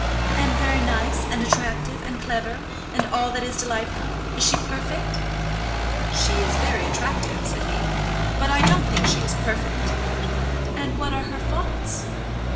"And very nice, and attractive, and clever, and all that is delightful? Is she perfect?" "She is very attractive," said he; "but I don't think she's perfect." "And what are her faults?"